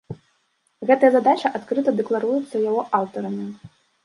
Гэтая задача адкрыта дэкларуецца яго аўтарамі.